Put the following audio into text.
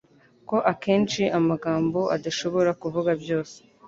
ko akenshi amagambo adashobora kuvuga byose